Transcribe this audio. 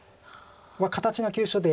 形の急所で。